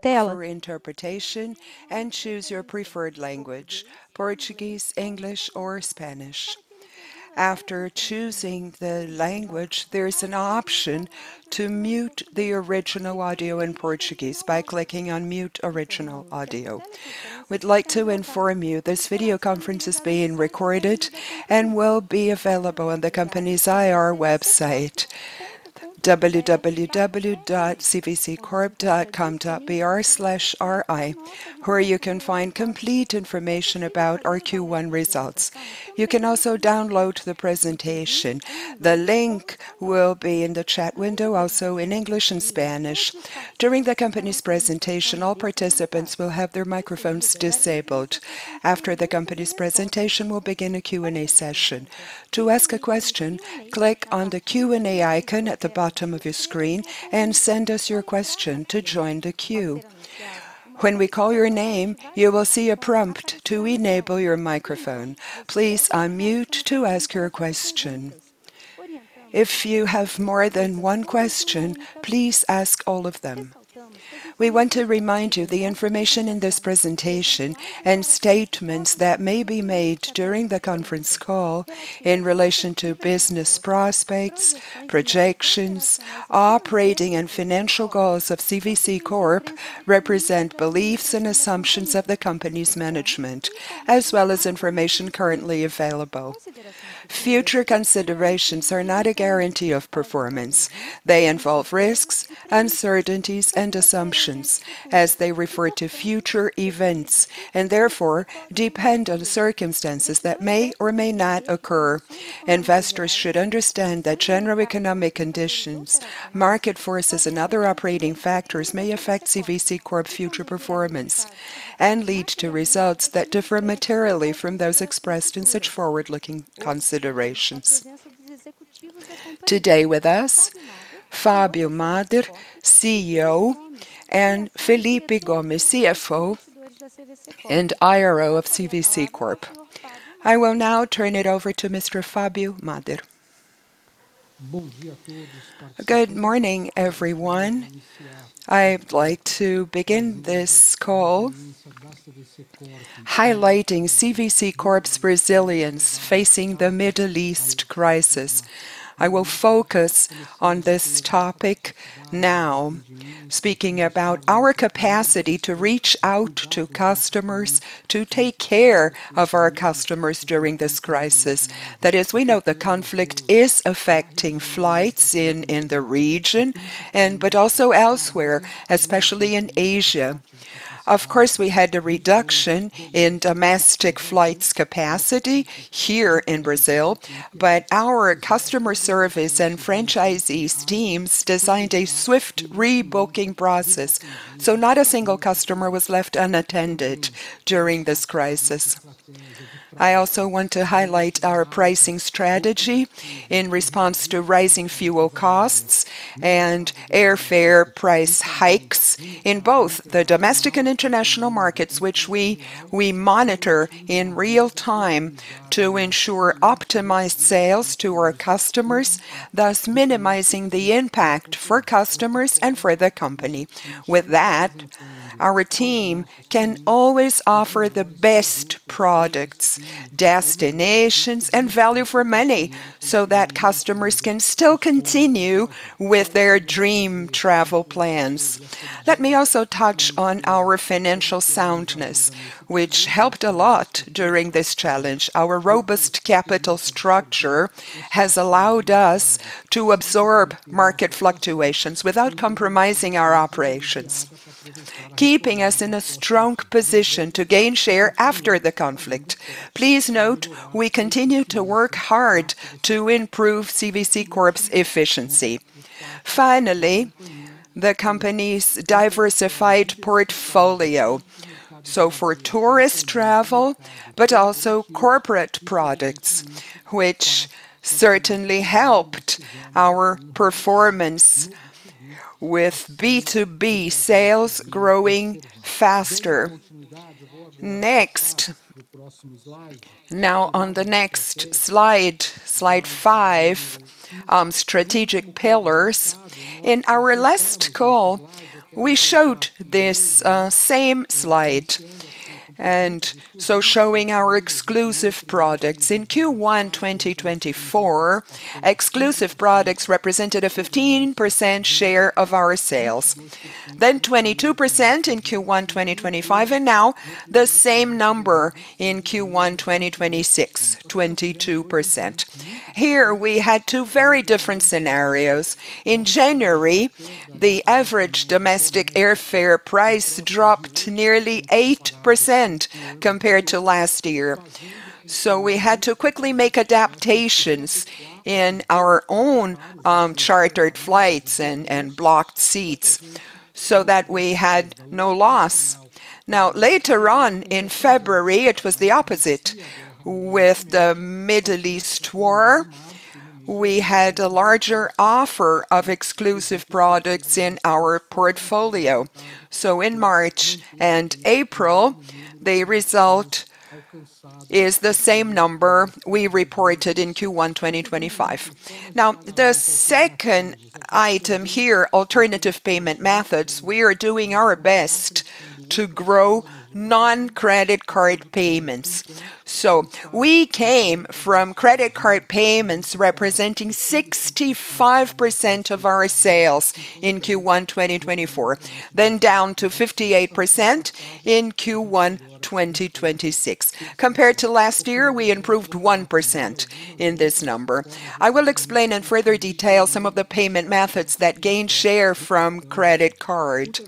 For interpretation and choose your preferred language, Portuguese, English, or Spanish. After choosing the language, there is an option to mute the original audio in Portuguese by clicking on Mute Original Audio. We'd like to inform you this video conference is being recorded and will be available on the company's IR website, www.cvccorp.com.br/ri, where you can find complete information about our Q1 results. You can also download the presentation. The link will be in the chat window, also in English and Spanish. During the company's presentation, all participants will have their microphones disabled. After the company's presentation, we'll begin a Q&A session. To ask a question, click on the Q&A icon at the bottom of your screen and send us your question to join the queue. When we call your name, you will see a prompt to enable your microphone. Please unmute to ask your question. If you have more than one question, please ask all of them. We want to remind you the information in this presentation and statements that may be made during the conference call in relation to business prospects, projections, operating and financial goals of CVC Corp represent beliefs and assumptions of the company's management, as well as information currently available. Future considerations are not a guarantee of performance. They involve risks, uncertainties, and assumptions as they refer to future events, and therefore depend on circumstances that may or may not occur. Investors should understand that general economic conditions, market forces, and other operating factors may affect CVC Corp future performance and lead to results that differ materially from those expressed in such forward-looking considerations. Today with us, Fabio Mader, CEO, and Felipe Gomes, CFO and IRO of CVC Corp. I will now turn it over to Mr. Fabio Mader. Good morning, everyone. I'd like to begin this call highlighting CVC Corp's resilience facing the Middle East crisis. I will focus on this topic now, speaking about our capacity to reach out to customers, to take care of our customers during this crisis. That is, we know the conflict is affecting flights in the region but also elsewhere, especially in Asia. Of course, we had a reduction in domestic flights capacity here in Brazil. Our customer service and franchisees teams designed a swift rebooking process, not a single customer was left unattended during this crisis. I also want to highlight our pricing strategy in response to rising fuel costs and airfare price hikes in both the domestic and international markets, which we monitor in real time to ensure optimized sales to our customers, thus minimizing the impact for customers and for the company. With that, our team can always offer the best products, destinations, and value for money so that customers can still continue with their dream travel plans. Let me also touch on our financial soundness, which helped a lot during this challenge. Our robust capital structure has allowed us to absorb market fluctuations without compromising our operations, keeping us in a strong position to gain share after the conflict. Please note we continue to work hard to improve CVC Corp's efficiency. Finally, the company's diversified portfolio, so for tourist travel, but also corporate products, which certainly helped our performance with B2B sales growing faster. Next. Now, on the next slide five, strategic pillars. In our last call, we showed this same slide showing our exclusive products. In Q1 2024, exclusive products represented a 15% share of our sales. 22% in Q1 2025, the same number in Q1 2026, 22%. Here we had two very different scenarios. In January, the average domestic airfare price dropped nearly 8% compared to last year. We had to quickly make adaptations in our own chartered flights and blocked seats so that we had no loss. Later on in February, it was the opposite with the Middle East war. We had a larger offer of exclusive products in our portfolio. In March and April, the result is the same number we reported in Q1 2025. The second item here, alternative payment methods, we are doing our best to grow non-credit card payments. We came from credit card payments representing 65% of our sales in Q1 2024, down to 58% in Q1 2026. Compared to last year, we improved 1% in this number. I will explain in further detail some of the payment methods that gained share from credit card.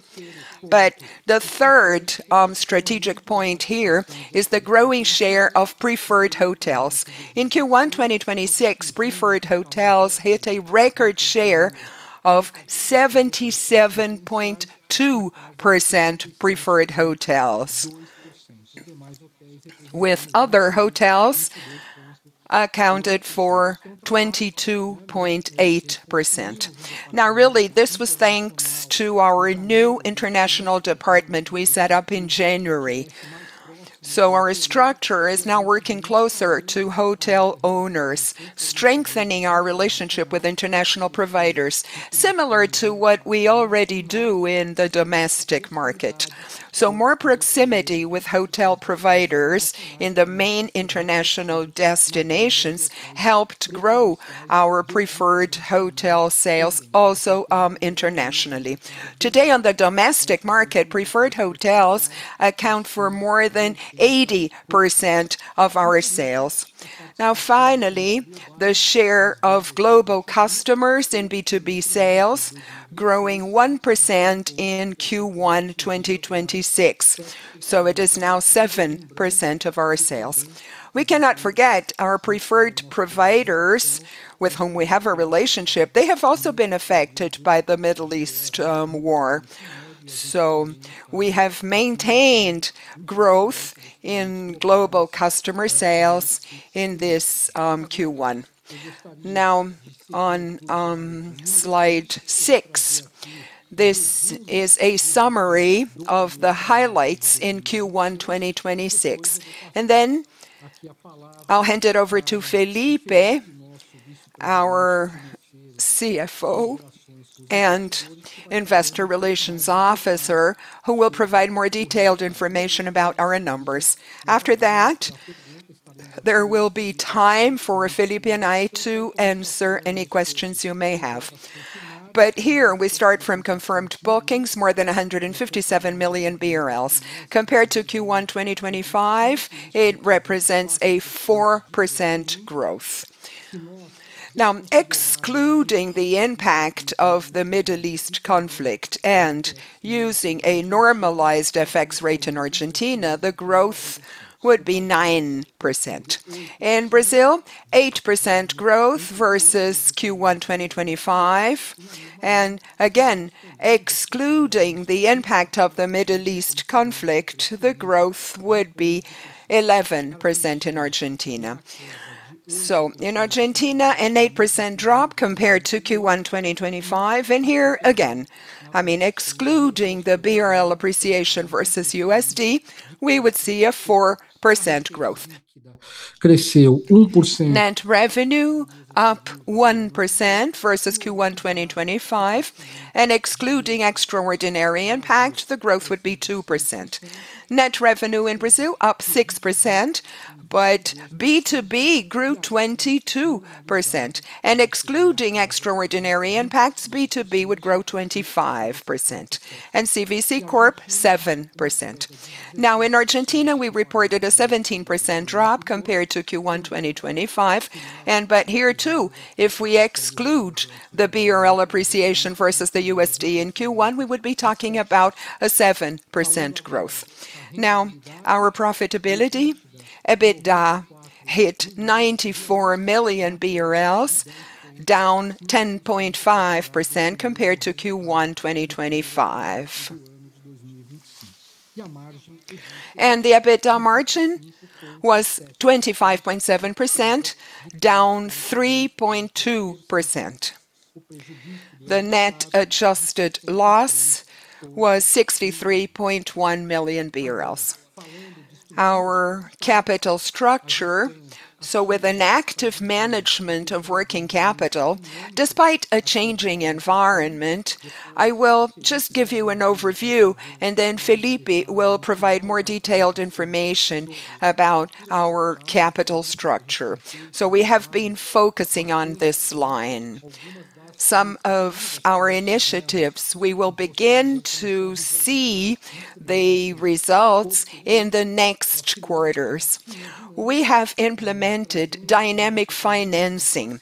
The third strategic point here is the growing share of preferred hotels. In Q1 2026, preferred hotels hit a record share of 77.2% preferred hotels. With other hotels accounted for 22.8%. Really, this was thanks to our new international department we set up in January. Our structure is now working closer to hotel owners, strengthening our relationship with international providers, similar to what we already do in the domestic market. More proximity with hotel providers in the main international destinations helped grow our preferred hotel sales also internationally. Today on the domestic market, preferred hotels account for more than 80% of our sales. The share of global customers in B2B sales growing 1% in Q1 2026, it is now 7% of our sales. We cannot forget our preferred providers with whom we have a relationship. They have also been affected by the Middle East war. We have maintained growth in global customer sales in this Q1. On slide six, this is a summary of the highlights in Q1 2026. I'll hand it over to Felipe, our CFO and Investor Relations Officer, who will provide more detailed information about our numbers. After that, there will be time for Felipe and I to answer any questions you may have. We start from confirmed bookings, more than 157 million BRL. Compared to Q1 2025, it represents a 4% growth. Excluding the impact of the Middle East conflict and using a normalized FX rate in Argentina, the growth would be 9%. In Brazil, 8% growth versus Q1 2025, excluding the impact of the Middle East conflict, the growth would be 11% in Argentina. In Argentina, an 8% drop compared to Q1 2025, excluding the BRL appreciation versus USD, we would see a 4% growth. Net revenue up 1% versus Q1 2025, excluding extraordinary impact, the growth would be 2%. Net revenue in Brazil up 6%, B2B grew 22%. Excluding extraordinary impacts, B2B would grow 25%, CVC Corp, 7%. In Argentina, we reported a 17% drop compared to Q1 2025. Here too, if we exclude the BRL appreciation versus the USD in Q1, we would be talking about a 7% growth. Our profitability, EBITDA hit BRL 94 million, down 10.5% compared to Q1 2025. The EBITDA margin was 25.7%, down 3.2%. The net adjusted loss was 63.1 million BRL. Our capital structure, with an active management of working capital, despite a changing environment, I will just give you an overview. Felipe Gomes will provide more detailed information about our capital structure. We have been focusing on this line. Some of our initiatives we will begin to see the results in the next quarters. We have implemented dynamic financing.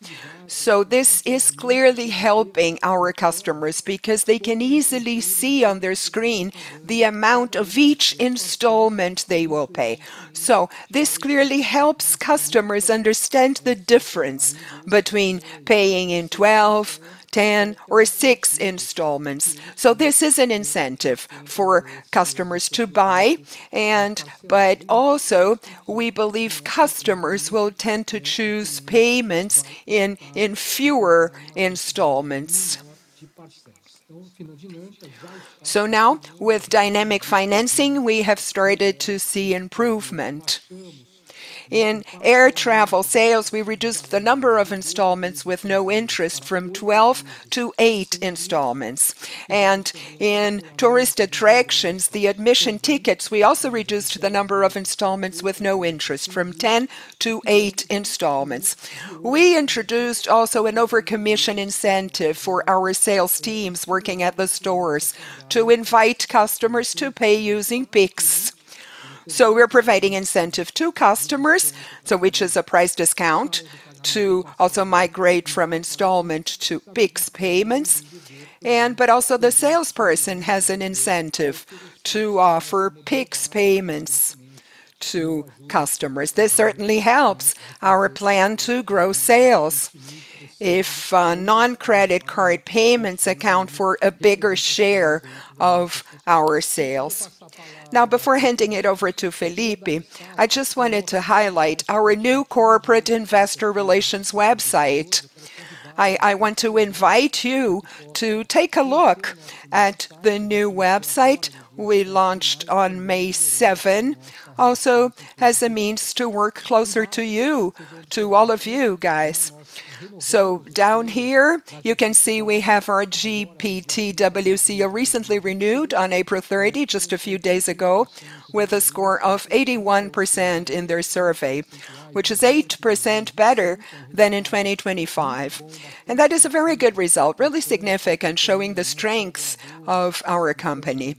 This is clearly helping our customers because they can easily see on their screen the amount of each installment they will pay. This clearly helps customers understand the difference between paying in 12, 10, or six installments. This is an incentive for customers to buy. Also, we believe customers will tend to choose payments in fewer installments. Now with dynamic financing, we have started to see improvement. In air travel sales, we reduced the number of installments with no interest from 12 to eight installments. In tourist attractions, the admission tickets, we also reduced the number of installments with no interest from 10 to eight installments. We introduced also an over-commission incentive for our sales teams working at the stores to invite customers to pay using Pix. We're providing incentive to customers, which is a price discount, to also migrate from installment to Pix payments. Also the salesperson has an incentive to offer Pix payments to customers. This certainly helps our plan to grow sales if non-credit card payments account for a bigger share of our sales. Before handing it over to Felipe, I just wanted to highlight our new corporate investor relations website. I want to invite you to take a look at the new website we launched on May 7. As a means to work closer to you, to all of you guys. Down here you can see we have our GPTW seal recently renewed on April 30, just a few days ago, with a score of 81% in their survey, which is 8% better than in 2025. That is a very good result, really significant, showing the strengths of our company.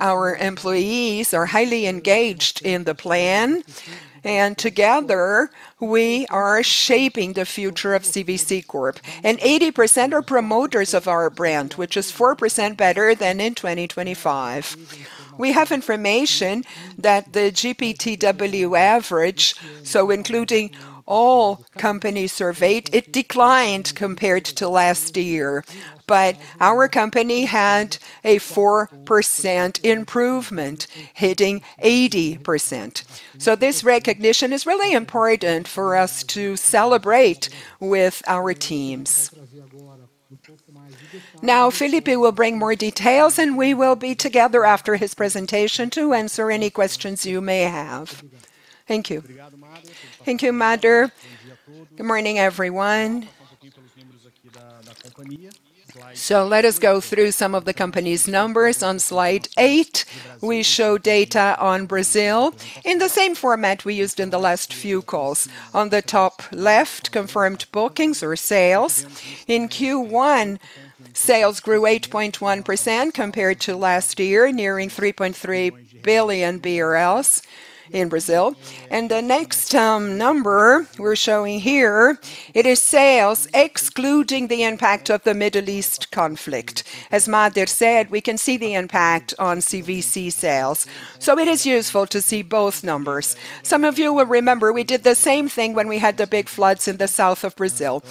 Our employees are highly engaged in the plan, and together we are shaping the future of CVC Corp. 80% are promoters of our brand, which is 4% better than in 2025. We have information that the GPTW average, including all companies surveyed, it declined compared to last year, but our company had a 4% improvement, hitting 80%. This recognition is really important for us to celebrate with our teams. Felipe will bring more details, and we will be together after his presentation to answer any questions you may have. Thank you. Thank you, Mader. Good morning, everyone. Let us go through some of the company's numbers. On slide eight, we show data on Brazil in the same format we used in the last few calls. On the top left, confirmed bookings or sales. In Q1, sales grew 8.1% compared to last year, nearing 3.3 billion BRL in Brazil. The next number we're showing here, it is sales excluding the impact of the Middle East conflict. As Mader said, we can see the impact on CVC sales, so it is useful to see both numbers. Some of you will remember we did the same thing when we had the big floods in the south of Brazil.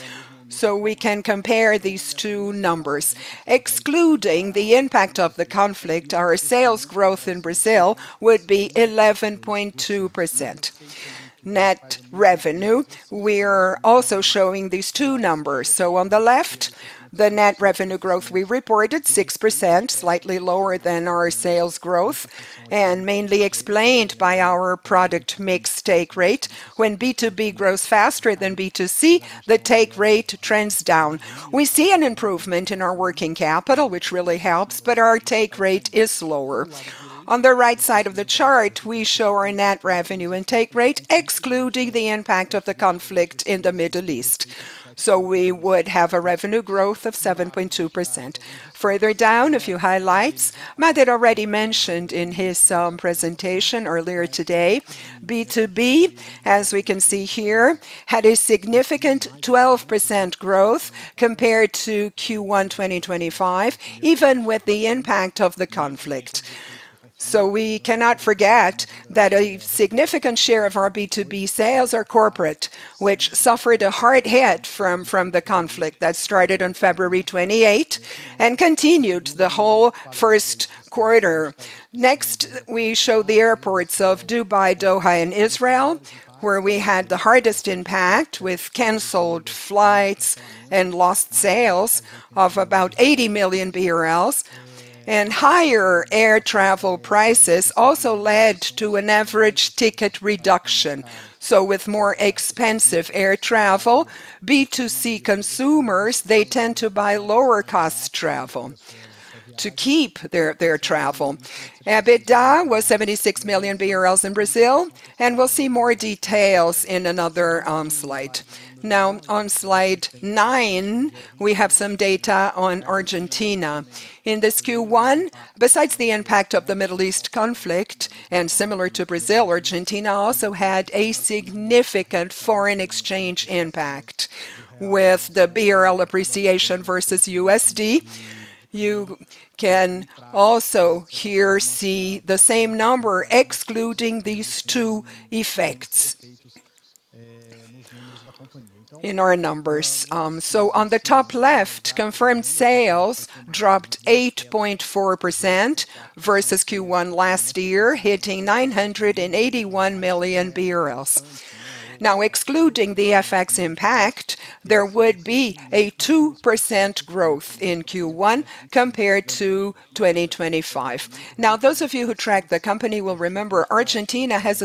We can compare these two numbers. Excluding the impact of the conflict, our sales growth in Brazil would be 11.2%. Net revenue, we're also showing these two numbers. On the left, the net revenue growth, we reported 6%, slightly lower than our sales growth and mainly explained by our product mix take rate. When B2B grows faster than B2C, the take rate trends down. We see an improvement in our working capital, which really helps, but our take rate is lower. On the right side of the chart, we show our net revenue and take rate excluding the impact of the conflict in the Middle East, so we would have a revenue growth of 7.2%. Further down, a few highlights. Mader already mentioned in his presentation earlier today, B2B, as we can see here, had a significant 12% growth compared to Q1 2025, even with the impact of the conflict. We cannot forget that a significant share of our B2B sales are corporate, which suffered a hard hit from the conflict that started on February 28 and continued the whole first quarter. We show the airports of Dubai, Doha, and Israel, where we had the hardest impact with canceled flights and lost sales of about 80 million BRL. Higher air travel prices also led to an average ticket reduction. With more expensive air travel, B2C consumers, they tend to buy lower cost travel to keep their travel. EBITDA was 76 million BRL in Brazil, and we'll see more details in another slide. On slide nine, we have some data on Argentina. In this Q1, besides the impact of the Middle East conflict, and similar to Brazil, Argentina also had a significant foreign exchange impact with the BRL appreciation versus USD. You can also here see the same number excluding these two effects in our numbers. On the top left, confirmed sales dropped 8.4% versus Q1 last year, hitting 981 million BRL. Excluding the FX impact, there would be a 2% growth in Q1 compared to 2025. Those of you who track the company will remember Argentina had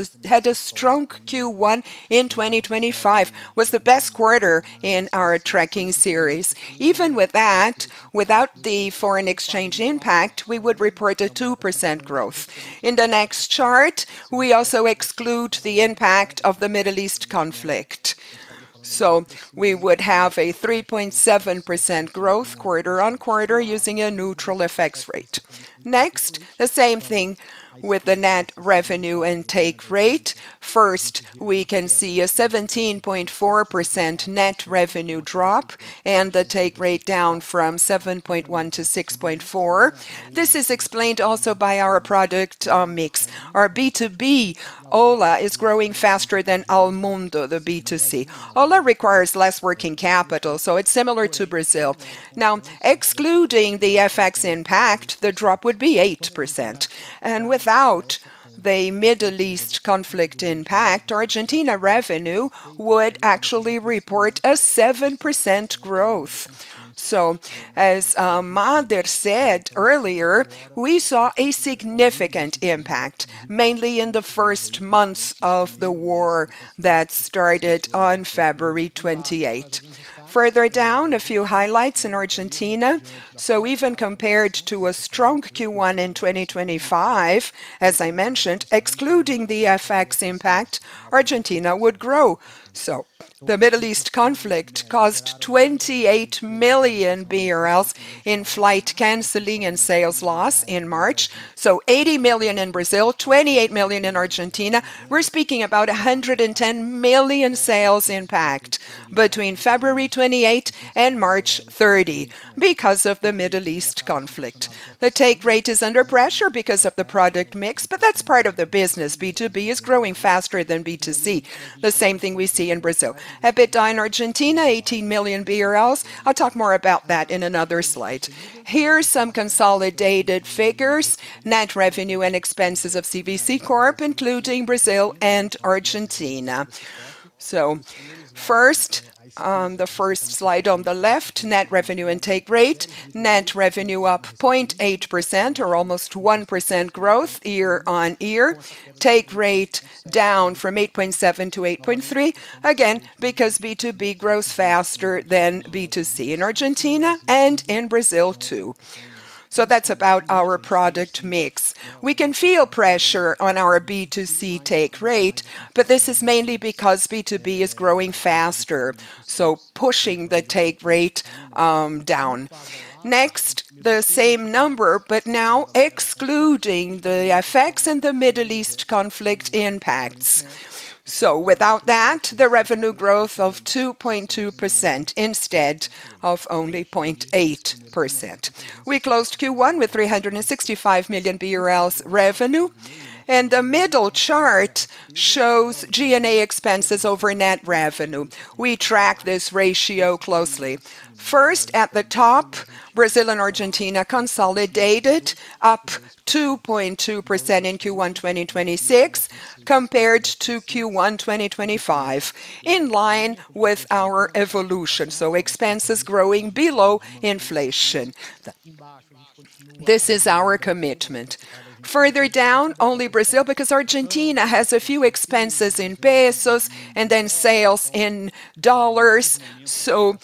a strong Q1 in 2025. Was the best quarter in our tracking series. Even with that, without the foreign exchange impact, we would report a 2% growth. In the next chart, we also exclude the impact of the Middle East conflict. We would have a 3.7% growth quarter-on-quarter using a neutral FX rate. The same thing with the net revenue and take rate. First, we can see a 17.4% net revenue drop and the take rate down from 7.1 to 6.4. This is explained also by our product mix. Our B2B, Ola, is growing faster than Almundo, the B2C. Ola requires less working capital, it's similar to Brazil. Excluding the FX impact, the drop would be 8%, and without the Middle East conflict impact, Argentina revenue would actually report a 7% growth. As Mader said earlier, we saw a significant impact, mainly in the first months of the war that started on February 28. Further down, a few highlights in Argentina. Even compared to a strong Q1 in 2025, as I mentioned, excluding the FX impact, Argentina would grow. The Middle East conflict caused 28 million BRL in flight canceling and sales loss in March. 80 million in Brazil, 28 million in Argentina. We're speaking about a 110 million sales impact between February 28 and March 30 because of the Middle East conflict. The take rate is under pressure because of the product mix, but that's part of the business. B2B is growing faster than B2C. The same thing we see in Brazil. EBITDA in Argentina, 18 million BRL. I'll talk more about that in another slide. Here are some consolidated figures, net revenue and expenses of CVC Corp, including Brazil and Argentina. First, on the first slide on the left, net revenue and take rate. Net revenue up 0.8% or almost 1% growth year-on-year. Take rate down from 8.7 to 8.3, again, because B2B grows faster than B2C in Argentina and in Brazil too. That's about our product mix. We can feel pressure on our B2C take rate, but this is mainly because B2B is growing faster, pushing the take rate down. Next, the same number, but now excluding the effects and the Middle East conflict impacts. Without that, the revenue growth of 2.2% instead of only 0.8%. We closed Q1 with 365 million BRL revenue, and the middle chart shows G&A expenses over net revenue. We track this ratio closely. First, at the top, Brazil and Argentina consolidated up 2.2% in Q1 2026 compared to Q1 2025, in line with our evolution, so expenses growing below inflation. This is our commitment. Further down, only Brazil, because Argentina has a few expenses in ARS and then sales in USD.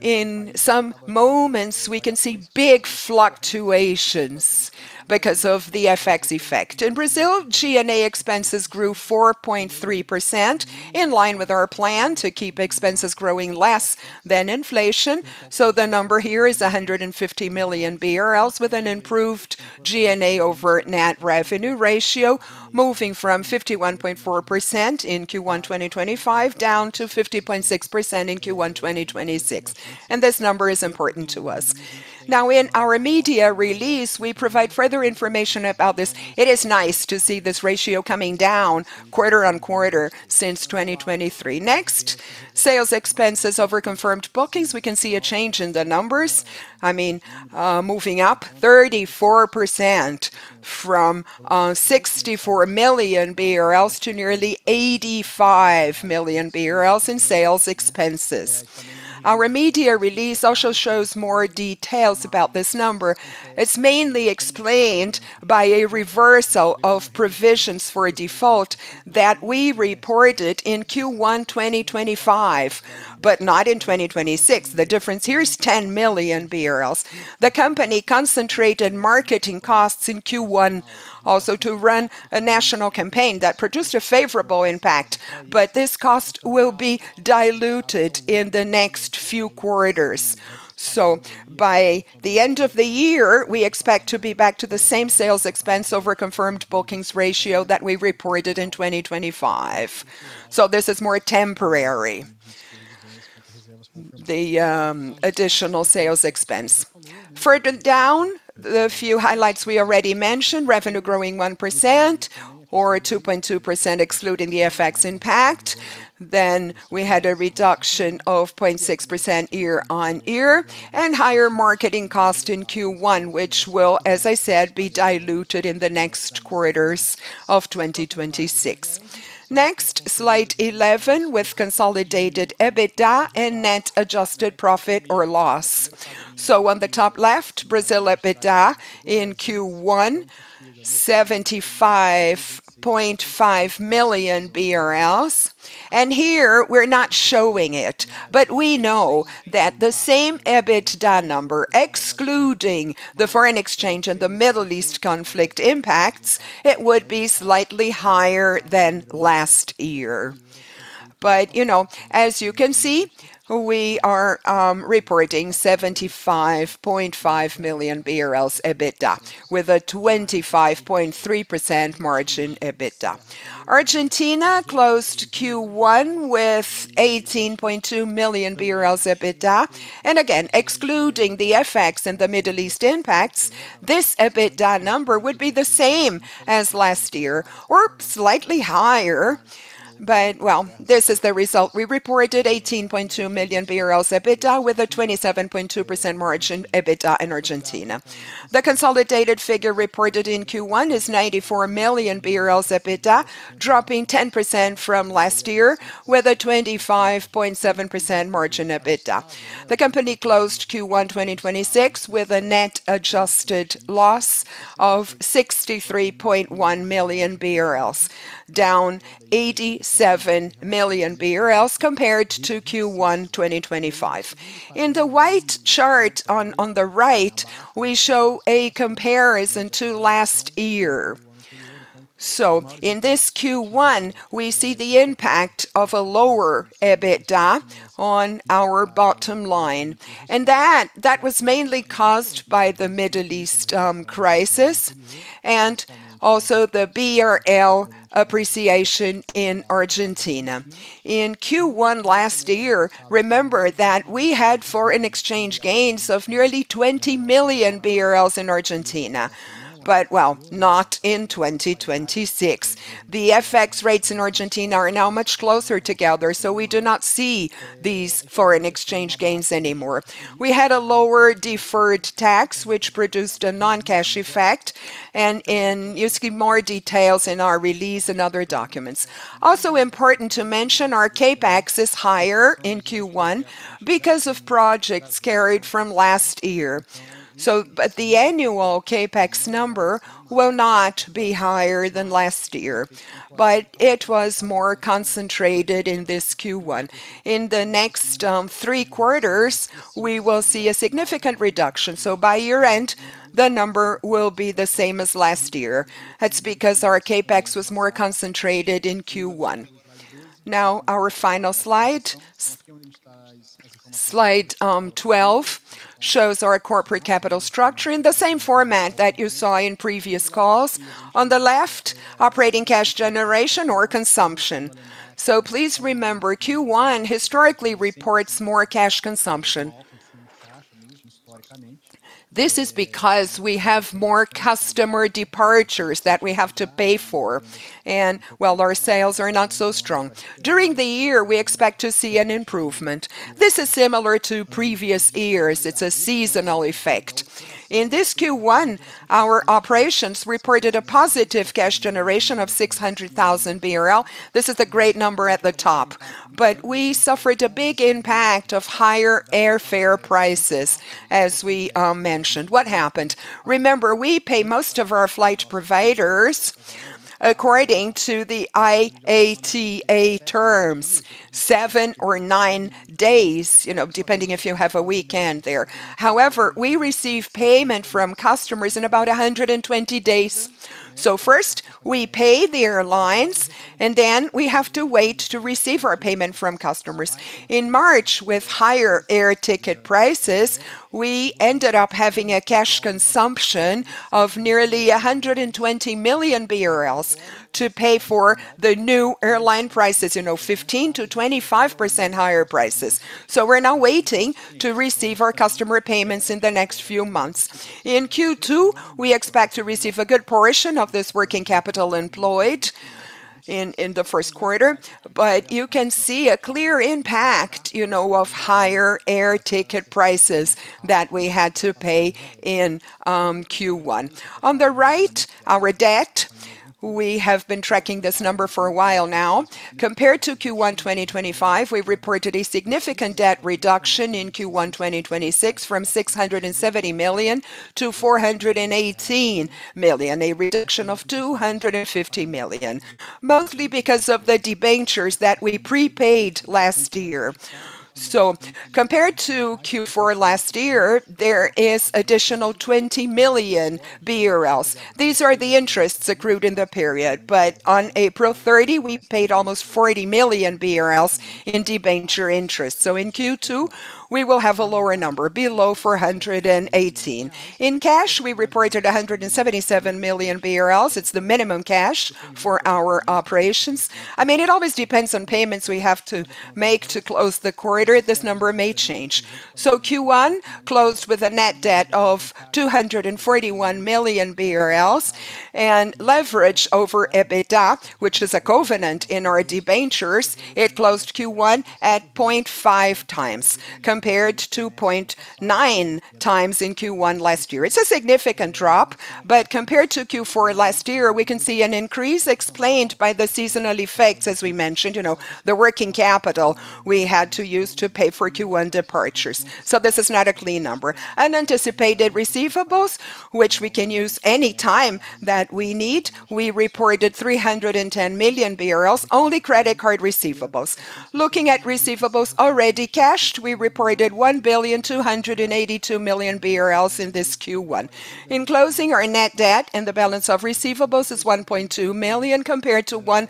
In some moments, we can see big fluctuations because of the FX effect. In Brazil, G&A expenses grew 4.3%, in line with our plan to keep expenses growing less than inflation. The number here is 150 million BRL with an improved G&A over net revenue ratio, moving from 51.4% in Q1 2025 down to 50.6% in Q1 2026. This number is important to us. In our media release, we provide further information about this. It is nice to see this ratio coming down quarter on quarter since 2023. Sales expenses over confirmed bookings. We can see a change in the numbers. I mean, moving up 34% from 64 million BRL to nearly 85 million BRL in sales expenses. Our media release also shows more details about this number. It's mainly explained by a reversal of provisions for a default that we reported in Q1 2025, but not in 2026. The difference here is 10 million BRL. The company concentrated marketing costs in Q1 also to run a national campaign that produced a favorable impact, this cost will be diluted in the next few quarters. By the end of the year, we expect to be back to the same sales expense over confirmed bookings ratio that we reported in 2025. This is more temporary, the additional sales expense. Further down, the few highlights we already mentioned, revenue growing 1% or 2.2% excluding the FX impact. We had a reduction of 0.6% year-over-year and higher marketing cost in Q1, which will, as I said, be diluted in the next quarters of 2026. Slide 11 with consolidated EBITDA and net adjusted profit or loss. On the top left, Brazil EBITDA in Q1, 75.5 million BRL. Here we're not showing it, but we know that the same EBITDA number, excluding the foreign exchange and the Middle East conflict impacts, it would be slightly higher than last year. You know, as you can see, we are reporting 75.5 million BRL EBITDA with a 25.3% margin EBITDA. Argentina closed Q1 with 18.2 million BRL EBITDA. Again, excluding the FX and the Middle East impacts, this EBITDA number would be the same as last year or slightly higher. Well, this is the result. We reported 18.2 million BRL EBITDA with a 27.2% margin EBITDA in Argentina. The consolidated figure reported in Q1 is 94 million EBITDA, dropping 10% from last year with a 25.7% margin EBITDA. The company closed Q1 2026 with a net adjusted loss of 63.1 million BRL, down 87 million BRL compared to Q1 2025. In the white chart on the right, we show a comparison to last year. In this Q1, we see the impact of a lower EBITDA on our bottom line, and that was mainly caused by the Middle East crisis and also the BRL appreciation in Argentina. In Q1 last year, remember that we had foreign exchange gains of nearly 20 million BRL in Argentina, not in 2026. The FX rates in Argentina are now much closer together, we do not see these foreign exchange gains anymore. We had a lower deferred tax, which produced a non-cash effect, and you'll see more details in our release and other documents. Also important to mention, our CapEx is higher in Q1 because of projects carried from last year. But the annual CapEx number will not be higher than last year, but it was more concentrated in this Q1. In the next, three quarters, we will see a significant reduction. By year-end, the number will be the same as last year. That's because our CapEx was more concentrated in Q1. Now our final slide, 12 shows our corporate capital structure in the same format that you saw in previous calls. On the left, operating cash generation or consumption. Please remember, Q1 historically reports more cash consumption. This is because we have more customer departures that we have to pay for, and, well, our sales are not so strong. During the year, we expect to see an improvement. This is similar to previous years. It's a seasonal effect. In this Q1, our operations reported a positive cash generation of 600 thousand BRL. This is a great number at the top. We suffered a big impact of higher airfare prices, as we mentioned. What happened? Remember, we pay most of our flight providers according to the IATA terms, seven or nine days, you know, depending if you have a weekend there. However, we receive payment from customers in about 120 days. First, we pay the airlines, and then we have to wait to receive our payment from customers. In March, with higher air ticket prices, we ended up having a cash consumption of nearly 120 million BRL to pay for the new airline prices, you know, 15%-25% higher prices. We're now waiting to receive our customer payments in the next few months. In Q2, we expect to receive a good portion of this working capital employed in the first quarter. You can see a clear impact, you know, of higher air ticket prices that we had to pay in Q1. On the right, our debt. We have been tracking this number for a while now. Compared to Q1 2025, we've reported a significant debt reduction in Q1 2026 from 670 million to 418 million, a reduction of 250 million, mostly because of the debentures that we prepaid last year. Compared to Q4 last year, there is additional 20 million BRL. These are the interests accrued in the period, on April 30, we paid almost 40 million BRL in debenture interest. In Q2, we will have a lower number, below 418 million. In cash, we reported 177 million BRL. It's the minimum cash for our operations. I mean, it always depends on payments we have to make to close the quarter. This number may change. Q1 closed with a net debt of 241 million BRL and leverage over EBITDA, which is a covenant in our debentures. It closed Q1 at 0.5 times compared to 0.9 times in Q1 last year. It's a significant drop, but compared to Q4 last year, we can see an increase explained by the seasonal effects, as we mentioned, you know, the working capital we had to use to pay for Q1 departures. This is not a clean number. Unencumbered receivables, which we can use any time that we need, we reported 310 million, only credit card receivables. Looking at receivables already cashed, we reported 1,282 million BRL in this Q1. In closing, our net debt and the balance of receivables is 1.2 million compared to 1.1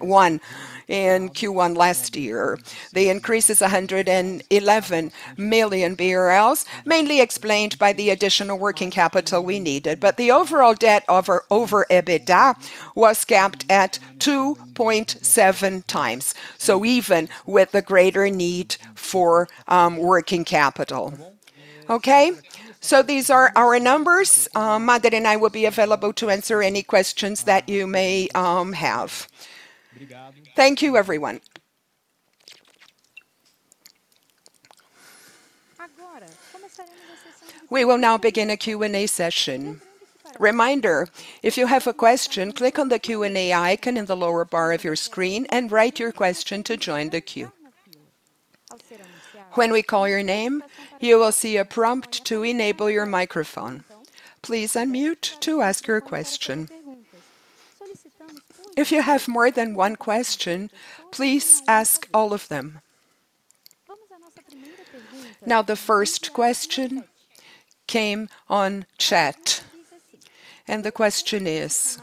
million in Q1 last year. The increase is 111 million BRL, mainly explained by the additional working capital we needed. The overall debt over EBITDA was capped at 2.7 times, even with the greater need for working capital. Okay, so these are our numbers. Mader and I will be available to answer any questions that you may have. Thank you, everyone. We will now begin a Q&A session. Reminder, if you have a question, click on the Q&A icon in the lower bar of your screen and write your question to join the queue. When we call your name, you will see a prompt to enable your microphone. Please unmute to ask your question. If you have more than one question, please ask all of them. The first question came on chat, and the question is,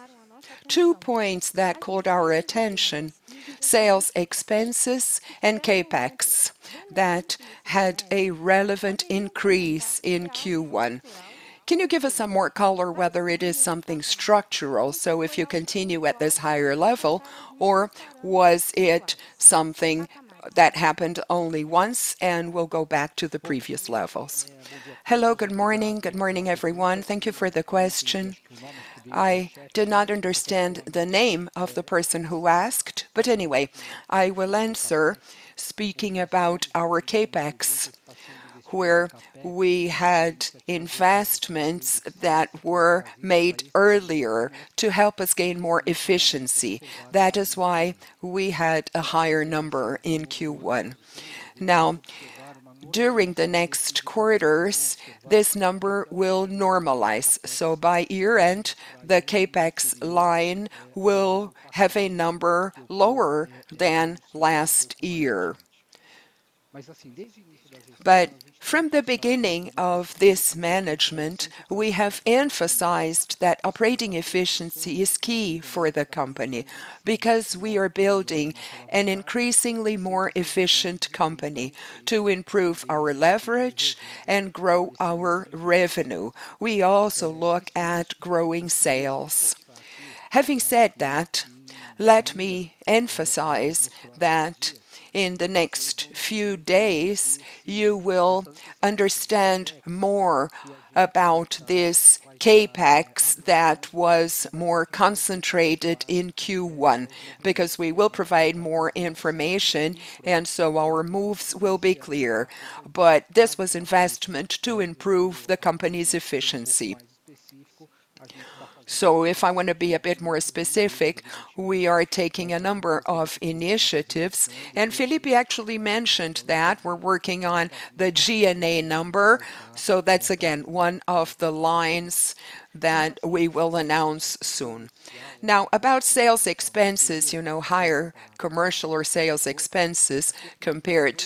two points that caught our attention, sales expenses and CapEx that had a relevant increase in Q1. Can you give us some more color whether it is something structural, so if you continue at this higher level, or was it something that happened only once and will go back to the previous levels? Hello, good morning. Good morning, everyone. Thank you for the question. I did not understand the name of the person who asked, anyway, I will answer speaking about our CapEx, where we had investments that were made earlier to help us gain more efficiency. That is why we had a higher number in Q1. Now, during the next quarters, this number will normalize, so by year-end, the CapEx line will have a number lower than last year. From the beginning of this management, we have emphasized that operating efficiency is key for the company because we are building an increasingly more efficient company to improve our leverage and grow our revenue. We also look at growing sales. Having said that, let me emphasize that in the next few days you will understand more about this CapEx that was more concentrated in Q1, because we will provide more information, and so our moves will be clear. This was investment to improve the company's efficiency. If I want to be a bit more specific, we are taking a number of initiatives, and Felipe actually mentioned that we're working on the G&A number, so that's again one of the lines that we will announce soon. Now, about sales expenses, you know, higher commercial or sales expenses compared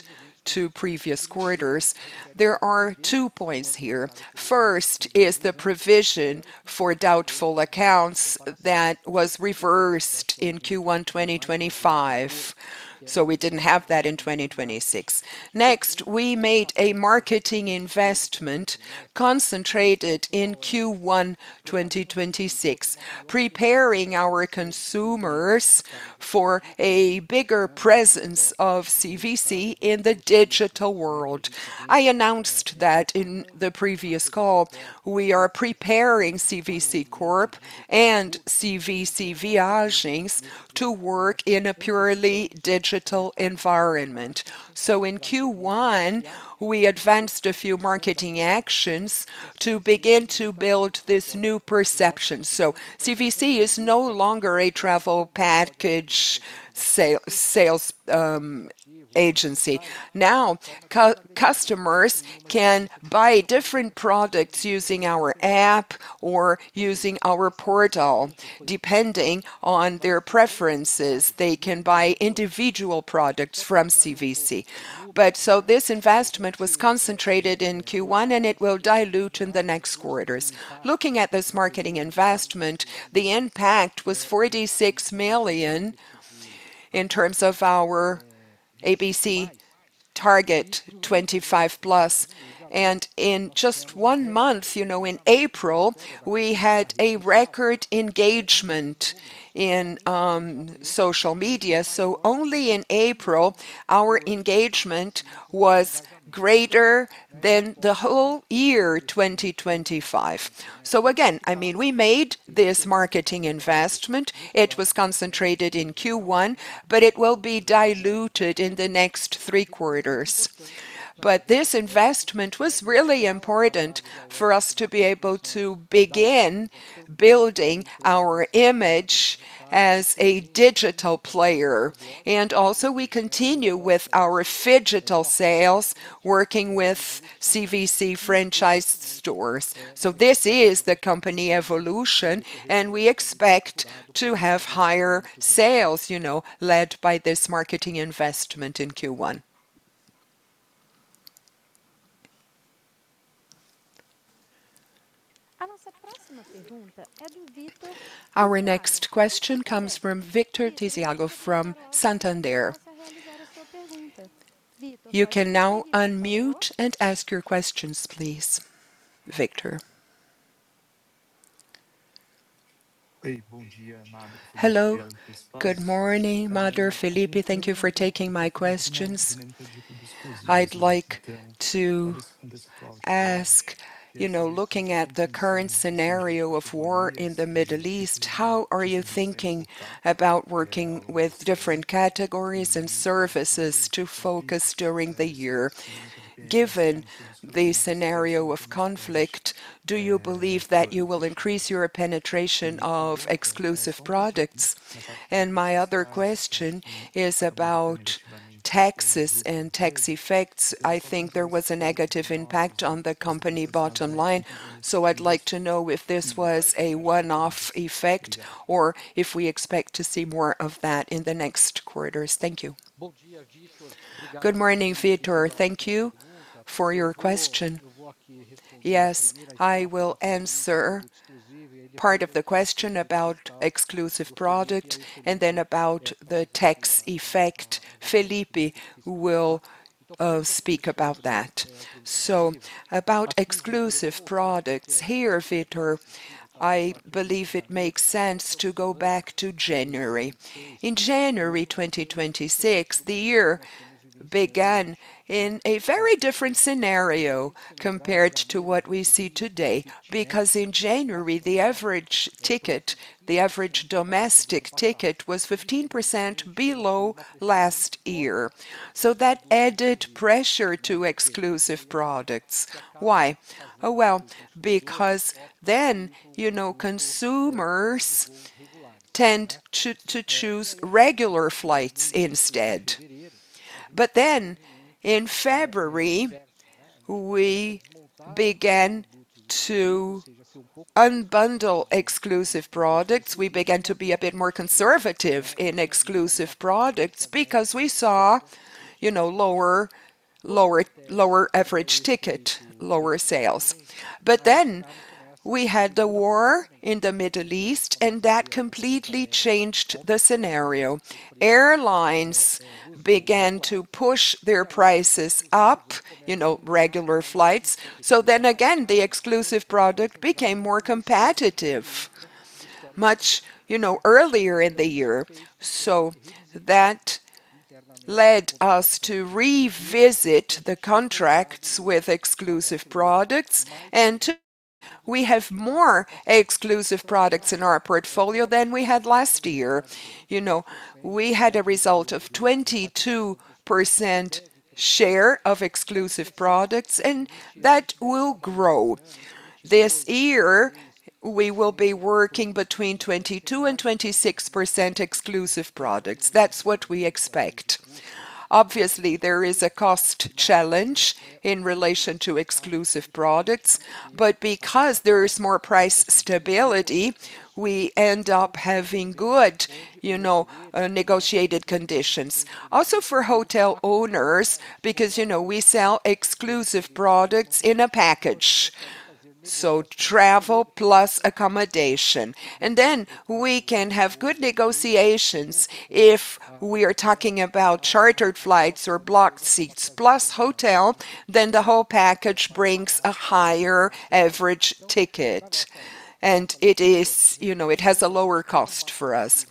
to previous quarters, there are two points here. First is the provision for doubtful accounts that was reversed in Q1 2025, so we didn't have that in 2026. Next, we made a marketing investment concentrated in Q1 2026, preparing our consumers for a bigger presence of CVC in the digital world. I announced that in the previous call. We are preparing CVC Corp and CVC Viagens to work in a purely digital environment. In Q1, we advanced a few marketing actions to begin to build this new perception. CVC is no longer a travel package sales agency. Now customers can buy different products using our app or using our portal, depending on their preferences. They can buy individual products from CVC. This investment was concentrated in Q1, and it will dilute in the next quarters. Looking at this marketing investment, the impact was 46 million in terms of our ABC target 25+. In just one month, you know, in April, we had a record engagement in social media. Only in April, our engagement was greater than the whole year 2025. Again, I mean, we made this marketing investment. It was concentrated in Q1, but it will be diluted in the next three quarters. This investment was really important for us to be able to begin building our image as a digital player. Also, we continue with our phygital sales, working with CVC franchise stores. This is the company evolution, and we expect to have higher sales, you know, led by this marketing investment in Q1. Our next question comes from Victor from Santander. You can now unmute and ask your questions, please, Victor. Hello. Good morning, Mader, Felipe. Thank you for taking my questions. I'd like to ask, you know, looking at the current scenario of war in the Middle East, how are you thinking about working with different categories and services to focus during the year? Given the scenario of conflict, do you believe that you will increase your penetration of exclusive products? My other question is about taxes and tax effects. I think there was a negative impact on the company bottom line, so I'd like to know if this was a one-off effect or if we expect to see more of that in the next quarters. Thank you. Good morning, Victor. Thank you for your question. Yes, I will answer part of the question about exclusive product and then about the tax effect. Felipe will speak about that. About exclusive products. Here, Victor, I believe it makes sense to go back to January. In January 2026, the year began in a very different scenario compared to what we see today, because in January, the average ticket, the average domestic ticket was 15% below last year. That added pressure to exclusive products. Why? Well, because, you know, consumers tend to choose regular flights instead. In February, we began to unbundle exclusive products. We began to be a bit more conservative in exclusive products because we saw, you know, lower average ticket, lower sales. We had the war in the Middle East, and that completely changed the scenario. Airlines began to push their prices up, you know, regular flights. Again, the exclusive product became more competitive much, you know, earlier in the year. That led us to revisit the contracts with exclusive products. Today we have more exclusive products in our portfolio than we had last year. You know, we had a result of 22% share of exclusive products, and that will grow. This year we will be working between 22%-26% exclusive products. That's what we expect. Obviously, there is a cost challenge in relation to exclusive products, but because there is more price stability, we end up having good, you know, negotiated conditions also for hotel owners, because, you know, we sell exclusive products in a package, so travel plus accommodation. We can have good negotiations if we are talking about chartered flights or blocked seats plus hotel, then the whole package brings a higher average ticket and it is you know, it has a lower cost for us.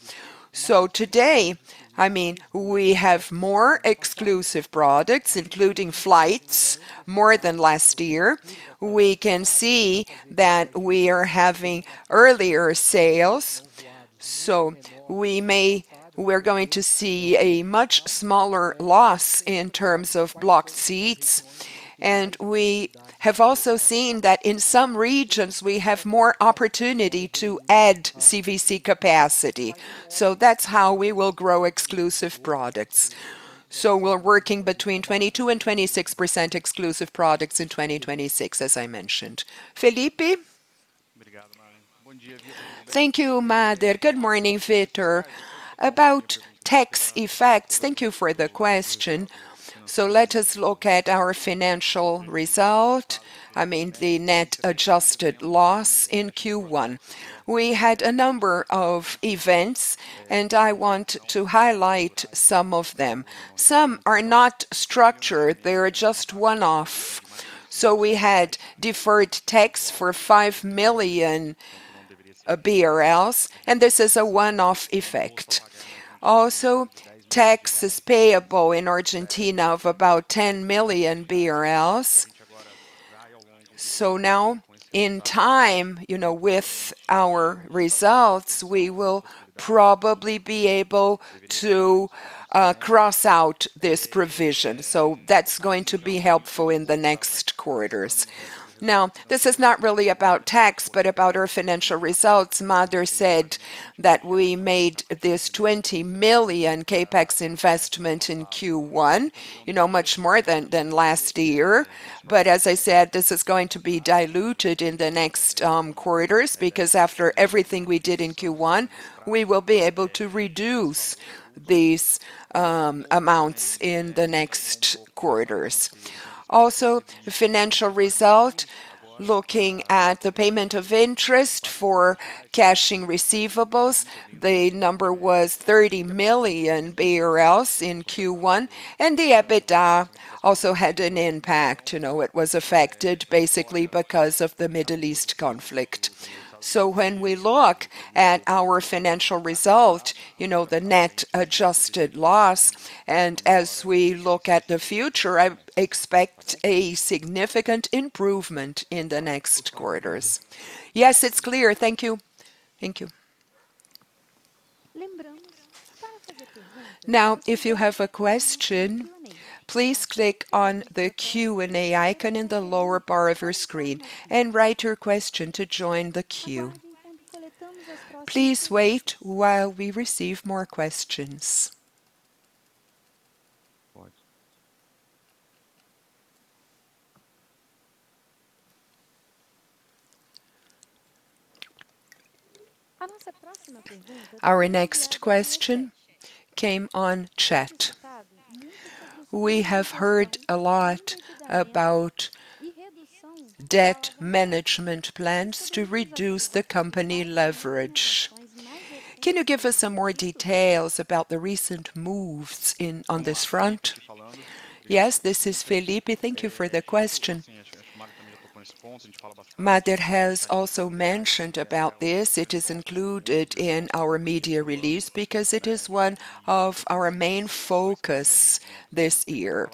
Today, I mean, we have more exclusive products, including flights, more than last year. We can see that we are having earlier sales, we're going to see a much smaller loss in terms of blocked seats. We have also seen that in some regions we have more opportunity to add CVC capacity. That's how we will grow exclusive products. We're working between 22% and 26% exclusive products in 2026, as I mentioned. Felipe? Thank you, Mader. Good morning, Victor. About tax effects, thank you for the question. Let us look at our financial result. I mean, the net adjusted loss in Q1. We had a number of events, and I want to highlight some of them. Some are not structured. They are just one-off. We had deferred tax for 5 million BRL, and this is a one-off effect. Also, tax is payable in Argentina of about 10 million BRL. Now in time, you know, with our results, we will probably be able to cross out this provision, that's going to be helpful in the next quarters. Now, this is not really about tax, but about our financial results. Mader said that we made this 20 million CapEx investment in Q1, you know, much more than last year. As I said, this is going to be diluted in the next quarters because after everything we did in Q1, we will be able to reduce these amounts in the next quarters. Financial result, looking at the payment of interest for cashing receivables, the number was 30 million BRL in Q1, the EBITDA also had an impact. You know, it was affected basically because of the Middle East conflict. When we look at our financial result, you know, the net adjusted loss, and as we look at the future, I expect a significant improvement in the next quarters. Yes, it's clear. Thank you. Thank you. If you have a question, please click on the Q&A icon in the lower bar of your screen and write your question to join the queue. Please wait while we receive more questions. Our next question came on chat. We have heard a lot about debt management plans to reduce the company leverage. Can you give us some more details about the recent moves on this front? Yes, this is Felipe. Thank you for the question. Mader has also mentioned about this. It is included in our media release because it is one of our main focus this year.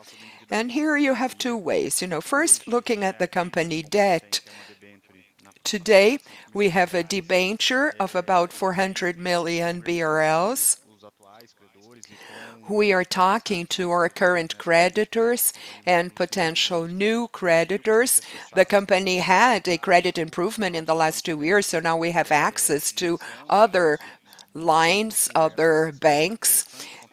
Here you have two ways. You know, first, looking at the company debt. Today, we have a debenture of about 400 million BRL. We are talking to our current creditors and potential new creditors. The company had a credit improvement in the last two years. Now we have access to other lines, other banks,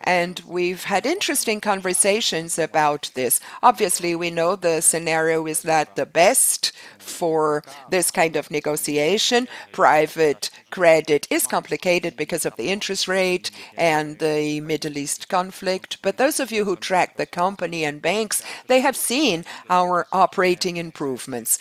and we've had interesting conversations about this. Obviously, we know the scenario is not the best for this kind of negotiation. Private credit is complicated because of the interest rate and the Middle East conflict. Those of you who track the company and banks, they have seen our operating improvements.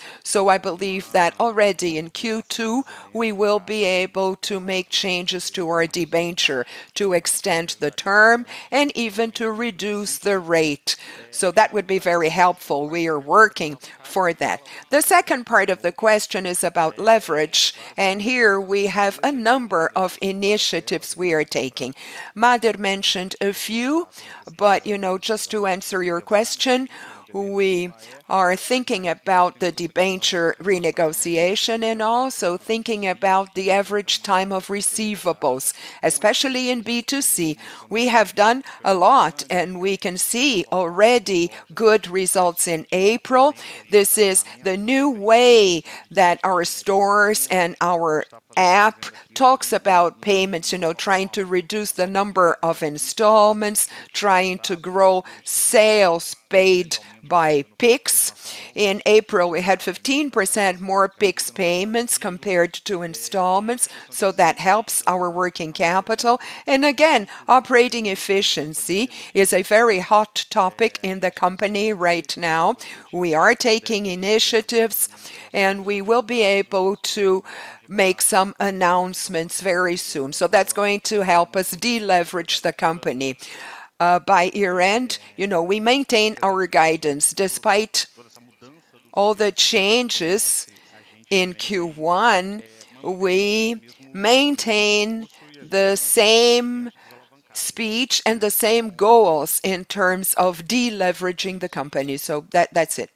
I believe that already in Q2, we will be able to make changes to our debenture to extend the term and even to reduce the rate. That would be very helpful. We are working for that. The second part of the question is about leverage. Here we have a number of initiatives we are taking. Mader mentioned a few, you know, just to answer your question, we are thinking about the debenture renegotiation and also thinking about the average time of receivables, especially in B2C. We have done a lot. We can see already good results in April. This is the new way that our stores and our app talks about payments, you know, trying to reduce the number of installments, trying to grow sales paid by Pix. In April, we had 15% more Pix payments compared to installments, that helps our working capital. Again, operating efficiency is a very hot topic in the company right now. We are taking initiatives. We will be able to make some announcements very soon. That's going to help us deleverage the company. By year-end, you know, we maintain our guidance. Despite all the changes in Q1, we maintain the same speech and the same goals in terms of deleveraging the company. That's it.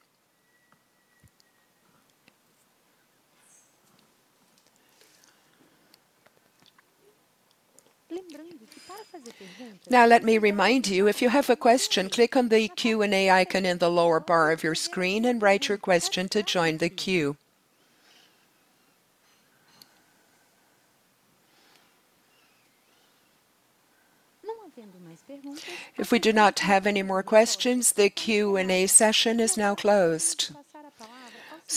Let me remind you, if you have a question, click on the Q&A icon in the lower bar of your screen and write your question to join the queue. If we do not have any more questions, the Q&A session is now closed.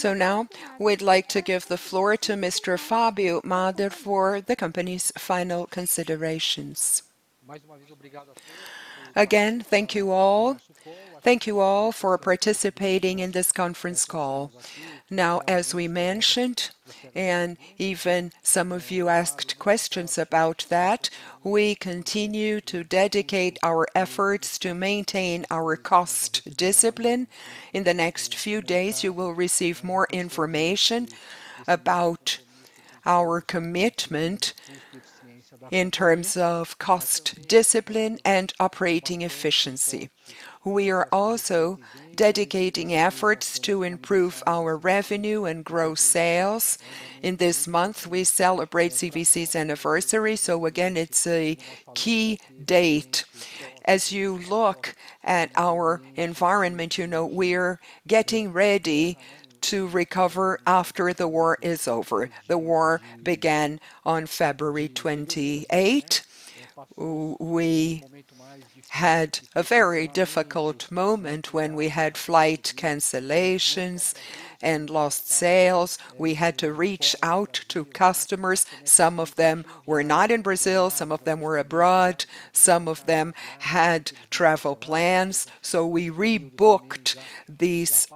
Now we'd like to give the floor to Mr. Fabio Mader for the company's final considerations. Again, thank you all. Thank you all for participating in this conference call. As we mentioned, and even some of you asked questions about that, we continue to dedicate our efforts to maintain our cost discipline. In the next few days, you will receive more information about our commitment in terms of cost discipline and operating efficiency. We are also dedicating efforts to improve our revenue and grow sales. In this month, we celebrate CVC's anniversary, so again, it's a key date. As you look at our environment, you know we're getting ready to recover after the war is over. The war began on February 28. We had a very difficult moment when we had flight cancellations and lost sales. We had to reach out to customers. Some of them were not in Brazil, some of them were abroad, some of them had travel plans, so we rebooked these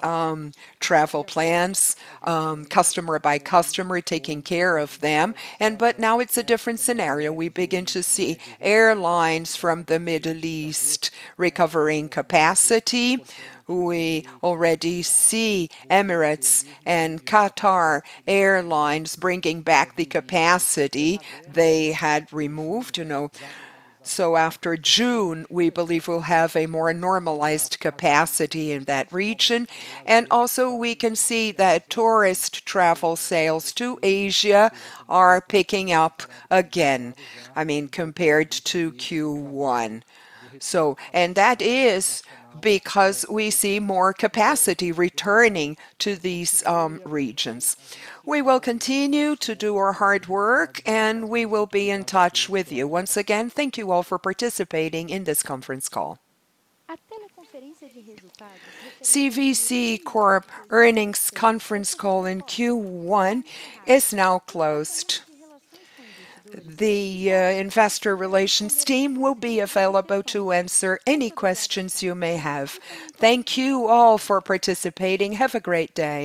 travel plans, customer by customer, taking care of them. Now it's a different scenario. We begin to see airlines from the Middle East recovering capacity. We already see Emirates and Qatar Airways bringing back the capacity they had removed, you know. After June, we believe we'll have a more normalized capacity in that region. Also, we can see that tourist travel sales to Asia are picking up again, I mean, compared to Q1. That is because we see more capacity returning to these regions. We will continue to do our hard work, and we will be in touch with you. Once again, thank you all for participating in this conference call. CVC Corp earnings conference call in Q1 is now closed. The investor relations team will be available to answer any questions you may have. Thank you all for participating. Have a great day.